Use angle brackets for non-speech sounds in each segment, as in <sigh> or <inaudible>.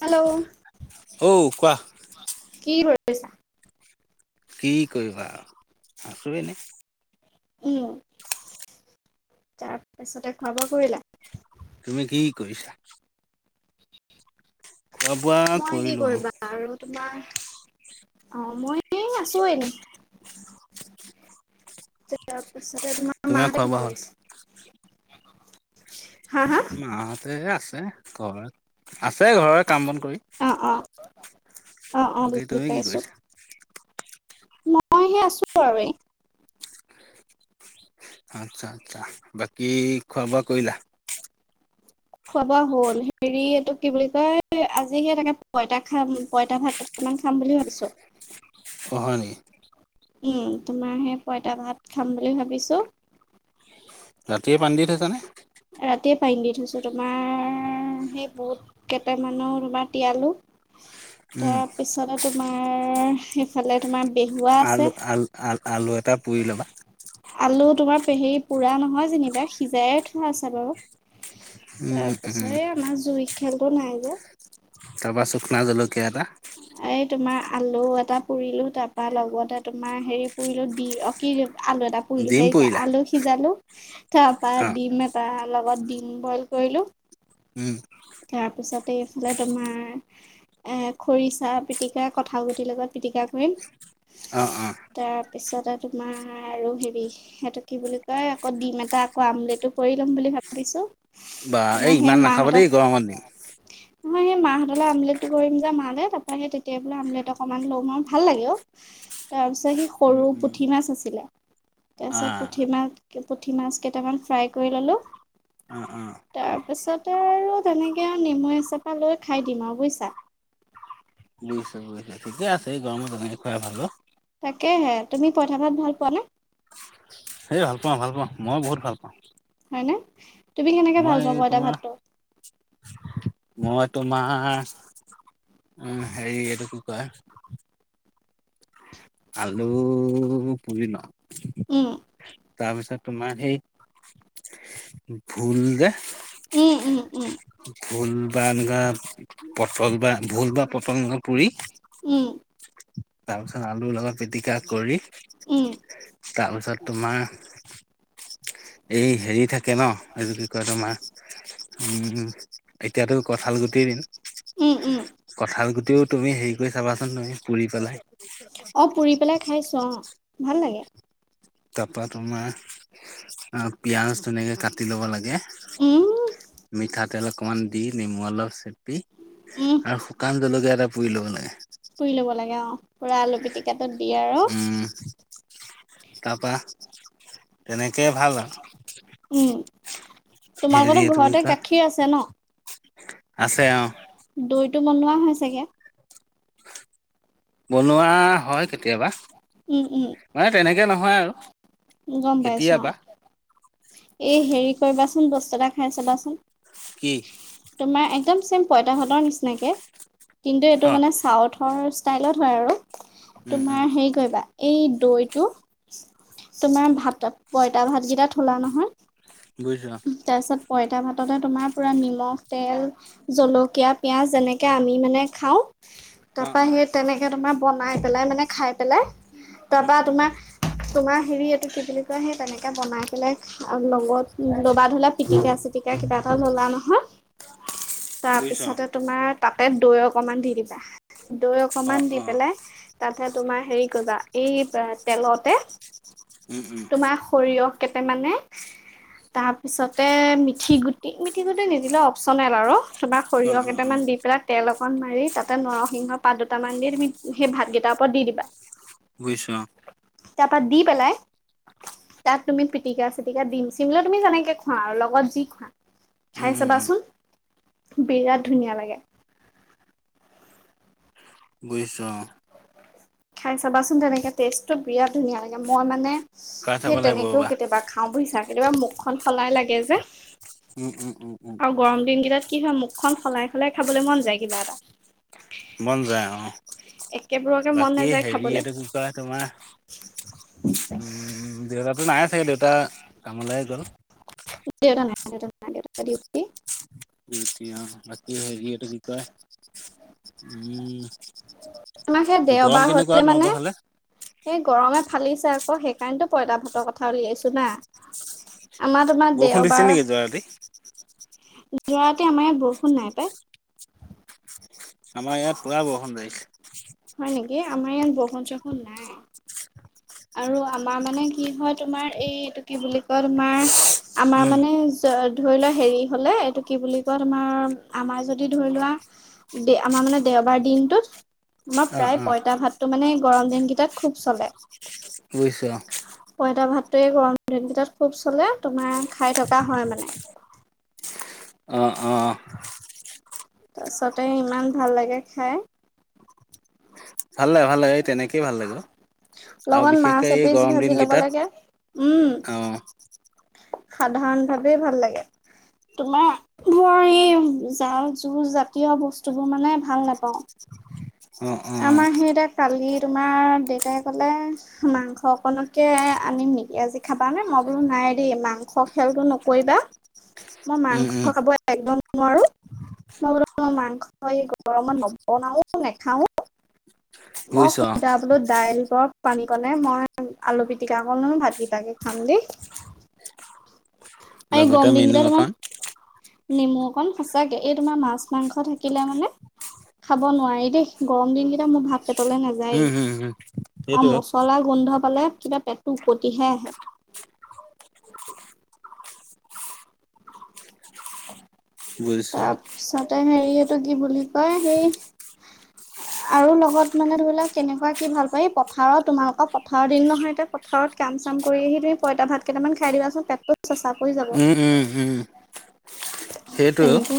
Hello! অও কোৱা? কি কৰি আছা? কি কৰিবা আৰু! আছোঁ এনেই। উম, তাৰপিছতে খোৱা-বোৱা কৰিলা? তুমি কি কৰিছা? যুঃ। মই কি কৰিবা আৰু তোমাৰ, অঁ, মই এই আছোঁ এনেই। তাৰপিছতে তোমাৰ মাহঁতে খোৱা কি বোৱা হ'ল? কৰিছে? হাঁ, হাঁ? মাহঁতে হে আছে ঘৰত, আছে ঘৰৰে কাম-বন কৰি। অ, অঁ অঁ, বাকী বুজি তুমি কি পাইছোঁ। কৰিছা? মইহে আছোঁ আৰু এই আচ্ছা, আচ্ছা। বাকী খোৱা-বোৱা কৰিলা? খোৱা-বোৱা হ'ল। হেৰি এইটোক কি বুলি কয়? আজি হে তাকে পইতা খা পইতা ভাত কেইটামান খাম বুলি ভাবিছোঁ। অঁ, হয় নেকি? উম' তোমাৰ হে পইতা ভাত খাম বুলি ভাবিছো। ৰাতিয়ে পানী দি থৈছানে? ৰাতিয়ে পানী দি থৈছো তোমাৰ সেই বহুত- কেইটামানৰ বা তিয়ালো। উম তাৰপিছতে তোমাৰ সেইফালে তোমাৰ- বেহুৱা আছে। আলু আল আল আলু এটা পুৰি ল'বা। আলু তোমাৰ পেহি পোৰা নহয় যেনিবা সিজায়ে থোৱা আছে বাৰু। উম তাৰ পিছত উম এই আমাৰ জুই খেলতো নাই যে। তাপা চুকনা জলকীয়া এটা। এই তোমাৰ আলু এটা পুৰিলো, তাপা লগতে তোমাৰ হেৰি পুৰিলো, দি অ'- কি আলু এটা পুৰিলো ডিম ভাবিছা, পুৰিলা আলু সিজালো তাপা অ দিম এট- তাৰ লগত ডিম বইল কৰিলোঁ। উম' তাৰপিছতে এইফালে তোমাৰ- এঁ খৰিচা, পিটিকা, কঁঠাল গুটিৰ লগত পিটিকা কৰিম। অ অ তাৰপিছতে তোমাৰ আৰু হেৰি- সেটো কি বুলি কয় আকৌ ডিম এটা আকৌ আমলেটো কৰি ল'ম বুলি ভাবি- ভাবিছো, বা মানে এই সেই ইমান নাখাবা দেই মাহঁত- গৰমত দিম নহয় সেই মাহতলে আমলেটটো কৰিম যে মালে তাপা সেই তেতিয়াই বোলো আমলেট অকমান লম আৰু ভাল লাগে অও। তাৰ পিছত সেই উম সৰু উম পুঠি মাছ আছিলে। আ তাপিছত পুঠি মাছ পুঠি মাছ কেইটামান ফ্ৰাই কৰি ললো। অ অ তাৰপাছতে আৰু তেনেকে আৰু নেমু এচপা লৈ খাই দিম আৰু বুইছা। বুজিছো বুজিছোঁ ঠিকে আছে এই গৰমত তেনেকে খুৱাই ভাল অও। তাকেহে, তুমি পইঠা ভাত ভাল পোৱা নে? এ ভাল পাওঁ ভাল পাওঁ, মই বহুত ভাল পাওঁ। হয়নে? তুমি কেনেকে ভাল মই পোৱা এই পইতা ভাতটো তোমাৰ- মই তোমাৰ উম হেৰি এইটো কি কয়? আলু পুৰি লওঁ। উম' তাৰপিছত তোমাৰ সেই ভুল যে- উম উম উম' ভোল বা এনেকুৱা পটল বা ভোল বা পটল এনেকুৱা পুৰি- উম তাৰপিছত আলুৰ লগত পিটিকা কৰি- উম তাৰপিছত তোমাৰ এই হেৰি থাকে- কে ন এইযোৰ কি কয় তোমাৰ উম এতিয়াতো কঠাল গুটিৰ দিন- উম উম' কঁঠাল গুটিও তুমি হেৰি কৰি চাবাচোন তুমি পুৰি পেলাই। অঁ পুৰি পেলাই খাইছো অঁ ভাল লাগে। তাপা তোমাৰ অঁ পিয়াজ ধুনীয়াকে কাটি ল'ব লাগে। উম মিঠাতেল অকমান দি নেমু অলপ চেপি উম আৰু- শুকান জলকীয়া এটা পুৰি ল'ব লাগে। পুৰি ল'ব লাগে অঁ পূৰা আলু পিটিকাটোত দিয়ে আৰু- তাপা তেনেকেই ভাল আৰু। উম' হেৰি তোমালোকতো এইটো কি ঘৰতে কয় গাখীৰ আছে ন। আছে অ', দৈতটো বনোৱা হয় চাগে। বনোৱা হয় কেতিয়াবা। উম উম মানে তেনেকে নহয় আৰু গম পাইছো অ কেতিয়াবা। এই হেৰি কৰিবাচোন বস্তু এটা খাই চাবাচোন। কি। তোমাৰ একদম চেম পঁইতা ভাতৰ নিচিনাকে কিন্তু এইটো অ', মানে চাউথৰ। টায়লত হয় আৰু উম, উম, তোমাৰ হেৰি কৰিব এই দৈ টো। তোমাৰ ভাত পইতা ভাতকেইটা থলা নহয়। বুজিছা। তাৰপিছত পইতা ভাততে তোমাৰ পূৰা নিমখ তেল। জলকীয়া পিয়াজ যেনেকে আমি মানে খাওঁ। অ', তাপা‌ অ', হেই তেনেকে তোমাৰ বনাই পেলাই মানে খাই পেলাই উম, তাৰপা উম, তোমাৰ। তোমাৰ হেৰি এইটো কি বুলি কয় সেই তেনেকে বনাই পেলাই। আৰু লগত লবা ধলা পিটিকা চিতিকা কিবা এটা ললা নহয়। তাৰ বুজিছো পিছতে তোমাৰ তাতে দৈ অকমান দি দিবা দৈ অ', অকমান অ', দি অ', পেলাই। তাতে তোমাৰ হেৰি কৰিবা এই তেলতে উম, উম, তোমাৰ সৰিয়হ। কেটে মানে। তাৰপিছতে মিঠি গুটি মিথি গুটি নিদিলে অপচনেল আৰু। বা অ', সৰিয়হ অ', কেইটামান অ', দি পেলাই। তেল অকণ মাৰি তাতে নৰসিংহৰ পাত দুটামান দি তুমি সেই ভাতকেইটাৰ ওপৰত দি দিবা। বুজিছ। তাৰপা দি পেলাই। তাত তুমি পিটিকা চিটিকা দিম চিম লৈ তুমি যেনেকে খোৱা আৰু লগত যি খোৱা। উম, খাই উম, উম, চাবাচোন বিৰাট ধুনীয়া লাগে। বুজিছোঁ অ। খাই চাবাচোন তেনেকৈ টেষ্টটো বিৰাট ধুনীয়া লাগে মই মানে কাঠ চাব সেই লাগিব তেনেকৈও ৰ'বা, কেতিয়াবা। খাওঁ বুজিছা কেতিয়াবা মুখখন সলাই লাগে যে। উম উম উম উম। আৰু গৰম দিন কেইটাত কি হয় মুখখন সলাই সলাই খাবলৈ মন যায় কিবা এটা। মন যায় অ একেবোৰকে মন বাকী নাযায় হেৰি খাবলৈ এইটো কি। বা তোমাৰ উম দেউতাটো নাই চাগে দেউতা। কামলে গল। দেউতা নাই দেউতা নাই দেউতা নাই ডিউটি। ডিউটি অ বাকী হেৰি এটো কি কয় উম। আমাৰ সেই গৰম দেওবাৰ কেনেকুৱা হলে মানে তোমালোকে ফালে। এই গৰমে ফালিছে আকৌ সেইকাৰণেত পইতা ভাতৰ কথা উলিয়াইছো না। আমাৰ তোমাৰ বৰষুণ দিছিল দেওবাৰ নেকি যোৱা ৰাতি? এতিয়াতে আমাৰ ইয়াত বৰষুণ নাই পায়। আমাৰ ইয়াত পুৰা বৰষুণ আহিছে। হয় নেকি আমাৰ ইয়াৰ বৰষুণ সৰখুন নাই। আৰু আমাৰ মানে কি হয় তোমাৰ এই এইটো কি বুলি কয় তোমাৰ আমাৰ উম, মানে। ধৰি লোৱা হেৰি হলে এইটো কি বুলি কয় তোমাৰ আমাৰ যদি ধৰি লোৱা। দে আমাৰ মানে দেওবাৰ দিনটোত। আমাৰ অ', প্ৰায় অ', পইতা ভাতটো মানে গৰম দিন কেইটাত খুব চলে বুজিছো অ। পঁইতা ভাতটোৱে গৰম দিনকেইটাত খুব চলে তোমাৰ খাই থকা হয় মানে। অ অ। অহ। তাৰপিছতে ইমান ভাল লাগে খায়। <inaudible> ভাল লাগে ভাল লাগে এই তেনেকেই ভাল লাগে আৰু লগত বিশেষকে মাছ এই এপিচ গৰম ভাজি দিন ল'ব কেইটাত। লাগে। উম অ। সাধাৰণ ভাৱেই ভাল লাগে। তোমাৰ মোৰ এই জাল জু জাতীয় বস্তুবোৰ মানে ভাল নাপাওঁ। অ', অ', আমাৰ সেইতিয়া কালি তোমাৰ দেউতাই ক'লে মাংস অকনকে আনিম নেকি আজি খাবা নে? মই বোলো নাই দেই মাংস খেলো ন কৰিবা, মই উম, উম, মাংস খাব একদম নোৱাৰোঁ। ম‌ই বুলো তোৰ মাংস এই গৰমত নবনাওঁ নেখাওঁ। বুজিছো অ, মই <inaudible> ল দাইল ব পানী ক‌‌ণে মই আলু পিটিকাকণো ভাতকিটাকে খাম দেই। এই লগতে গৰম মেনু দিনকিটা তোমাৰ‌ অকণ নেমু অকণ সচাকে, এই তোমাৰ মাছ - মাংস থাকিলে মানে খাব নোৱাৰি দেই, গৰম দিনকেইটা মোৰ ভাত পেটলে নাযায়েই উম, উম, উম, আৰু সেইটোৱে মচলা গোন্ধ পালে কিবা পেটটো ওপতিহে আহে। বুজিছো তাৰপিছতে হেৰি এইটো কি বুলি কয় সেই আৰু লগত মানে ধৰি লোৱা কেনেকুৱা কি ভাল পায়? পথাৰত তোমালোকৰ পথাৰৰ দিন নহয় এতিয়া প ঘৰত কাম - চাম কৰি আহি তুমি পইতা ভাত কেইটামান খাই দিবাচোন পেটটো চেচা উম উম উম। তেনেকে।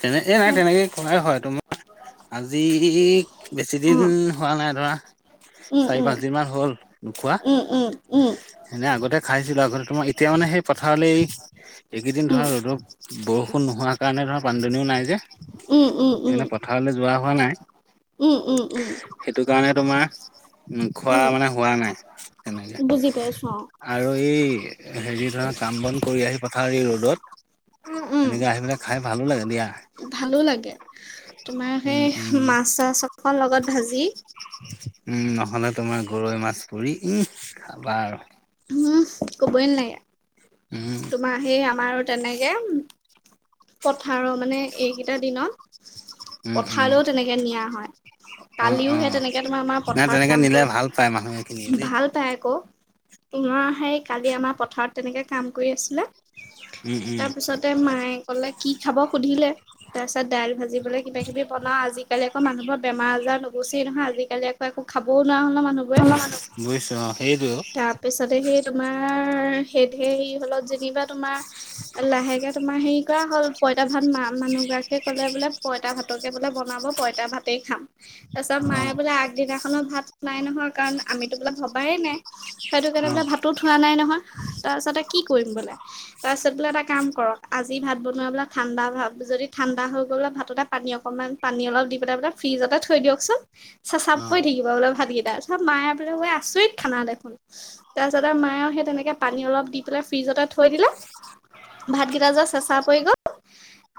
তেনেকে নাই সেই তেনেকে কৰাই হয় তোমাৰ আজি বেছি অ দিন হোৱা নাই ধৰা উম চাৰি - উম পাঁচ দিন মান হ'ল নোখোৱা উম, উম, উম, এনে আগতে খাইছিলো আগতে তোমাৰ এতিয়া মানে সেই পথাৰলৈ এইকেইদিন ধৰা উম, ৰ'দত বৰষুণ নোহোৱা কাৰণে ধৰা পানীদুনিও নাই যে উম, উম, উম, সেইকাৰণে পথাৰলৈ যোৱা হোৱা নাই উম, উম, উম, সেইটো কাৰণে তোমাৰ উম খোৱা মানে হোৱা নাই তেনেকে। বুজি পাইছো অ, আৰু এই হেৰি ধৰা, কাম - বন কৰি আহি পথাৰ এই ৰ'দত উম, উম, তেনেকা আহি পেলাই খাই ভালো লাগে দিয়া। ভালো লাগে, তোমাৰ উম সেই উম মাছ - চাছ অকল লগত ভাজি উম নহ'লে তোমাৰ গৰৈ মাছ পুৰি উমহ খাবা আৰু। উমহ কবই নালাগে, উম তোমাৰ সেই আমাৰ তেনেকে পথাৰত মানে এইকেইটা দিনত উম উম পথাৰলৈও তেনেকে নিয়া হয়। অ কালিও অ হে অ তেনেকে তোমাৰ আমাৰ নাই পথাৰত তেনেকে কাম নিলে কৰ, ভাল পায় মানুহ এইখিনিয়ে দেই ভাল পাই আকৌ। পুনৰ আহে কালি আমাৰ পথাৰত তেনেকে কাম কৰি আছিলে। উম উম তাৰপিছতে মায়ে কলে কি খাব সুধিলে। তাৰ পিছত দাইল ভাজিবলৈ কিবা কিবি বনাও, আজিকালি আকৌ মানুহবোৰৰ বেমাৰ - আজাৰ নু বুচি নহয় আজিকালি আকৌ একো খাবও নোৱাৰা হ'ল ন মানুহবোৰে। বুজিছো অ সেইটো। তাৰপিছতে সেই তোমাৰ সেধেই হ'লত যেনিবা তোমাৰ উহ এ লাহেকে তোমাৰ সেই কৰা হ'ল পইতা ভাত মা মানুহগৰাকীয়ে ক'লে বোলে পইতা ভাতকে বোলে বনাব পইতা ভাতেই খাম। তাৰ পিছত অ মায়ে বোলে আগদিনাখনৰ ভাত নাই নহয় কাৰণ আমিতো বোলে ভবাই নাই। সেইটো কাৰণে অ বোলে ভাতো থোৱা নাই নহয় তাৰপাছতে কি কৰিম বোলে। তাৰপিছত বোলে এটা কাম কৰক আজি ভাত বনোৱা বোলে ঠাণ্ডা ভাৱ যদি ঠাণ্ডা হৈ গল বোলে ভাততে পানী অকণমান। পানী অলপ দি পেলাই বোলে ফ্ৰিজতে থৈ দিয়কচোন। চেঁচা অ অ পৰি থাকিব বোলে ভাতকেইটা তাছত মায়ে বোলে অআই আছৰিত খানা দেখোন। তাৰপিছ‌তে আৰু মায়েও সেই তেনেকে পানী অলপ দি পেলাই ফ্ৰিজতে থৈ দিলে। ভাতকেইটা যে চেচা পৰি গল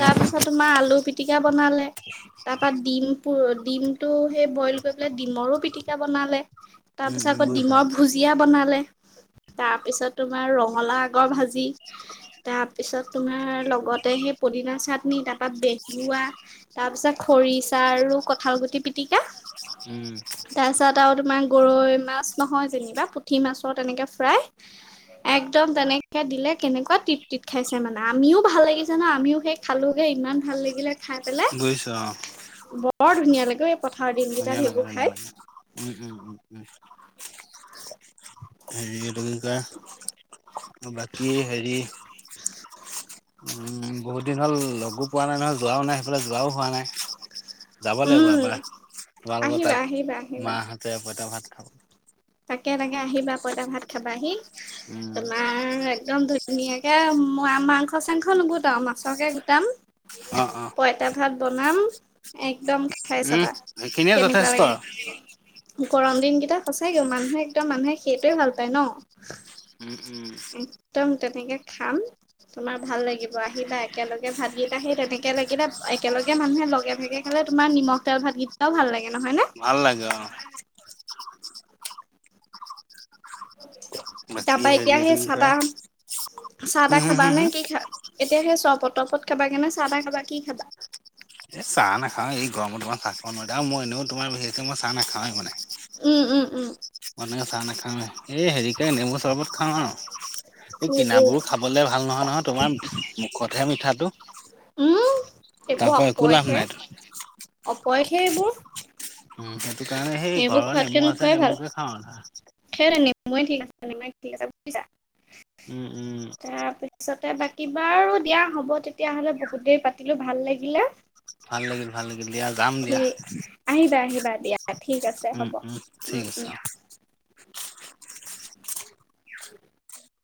তাৰ পিছত তোমাৰ আলু পিটিকা বনালে। তাৰপা ডিম পু ডিমটো সেই বইল কৰি পেলাই ডিমৰো পিটিকা বনালে। তাৰ উম পিছত উম আকৌ বুজিছো অ ডিমৰ ভুজিয়া বনালে। তাৰ পিছত তোমাৰ ৰঙালাউ আগৰ ভাজি। তাৰ পিছত তোমাৰ লগতে সেই পুদিনা চাটনি তাৰপা বেহুৱা। তাৰ পিছত খৰিচা আৰু কঁঠাল গুটি পিটিকা। উম তাৰপিছত আৰু তোমাৰ গৰৈ মাছ নহয় যেনিবা পুঠি মাছৰ তেনেকে ফ্ৰাই একদম তেনেকে দিলে কেনেকুৱা টিপটিত খাইছে মানে আমিও ভাল লাগিছে ন আমিও সেই খালো হেই ইমান ভাল লাগিলে খাই পেলাই বুইছো অ বৰ ধুনীয়া লাগে এই পথাৰৰ দিন ধুনীয়া কেইটাত লাগে সেইবোৰ ধুনীয়া খাই লাগে উম উম উম উম হেৰি এইটো কি কয় বাকী হেৰি উম বহুত দিন হ'ল লগো পোৱা নাই নহয় যোৱাও নাই সেইফালে যোৱাও হোৱা নাই যাব লাগিব উম এবাৰ তোমালোকৰ আহিবা তাত আহিবা আহিবা মাহঁতে পঁইতা ভাত খাব তাকে তাকে আহিবা পইতা ভাত খাবাহি। উম তোমাৰ একদম ধুনীয়াকে মই মাংস চাংস নোগোটাও আৰু মাছকে গোটাম। অ' অ'। তা ভাত বনাম একদম খাই উম চাবা সেইখিনিয়ে কেনেকুৱা যথেষ্ট লাগে। গৰম দিনকেইটা সঁচাই কে মানুহে একদম মানুহে সেইটোৱে ভাল পায় ন। উম উম একদম তেনেকে খাম। তোমাৰ ভাল লাগিব আহিবা একেলগে ভাতগেইটা সেই তেনেকে লাগিলে একেলগে মানুহে লগে ভাগে। হ'লে তোমাৰ নিমখ তেল ভাতকেইটাও ভাল লাগে নহয়নে। ভাল লাগে অ বাকী তাৰপা এতিয়া হেৰি এইটো হেই কি চাহ কয় তাহ চাহ তাহ হম হম হম খাবা হম নে কি খা এতিয়া সেই চবত তবত খাবাগে নে চাহ তাহ খাবা কি খাবা এ চাহ নাখাও এই গৰমত ধৰা ভাত খাব নাৱাই আৰু মই এনেও তোমাৰ বিশেষকে মই চাহ নাখাওে মানে উম উম উম মানে চাহ নাখাওৱে এই হেৰিকে নেমু চৰবত খাওঁ আৰু এই উম উম। কিনাবোৰ খা বলে ভাল নহয় নহয় তোমাৰ মুখতহে মিঠাটো উম এইবোৰ তাৰপৰা একো লাভ অপয়হে নাইতো অপয়হে এইবোৰ উম সেইটো কাৰণে সেই এইবোৰ ঘৰৰ খোৱাতকে নেমু আছে নোখোৱাই ভাল। নেমুকে খাও এটা সেইটোৱে নেমুৱে ঠিক আছে নেমুৱে ঠিক আছে বুজিছা উম উম তাৰ পিছতে বাকী বাৰু দিয়া হ'ব তেতিয়া হ'লে বহুত দেৰি পাতিলো ভাল লাগিলে ভাল লাগিল ভাল লাগিল দিয়া যাম দিয়া ঠিক আহিবা আহিবা দিয়া ঠিক আছে উম হ'ব উম ঠিক উম উম আছে উম।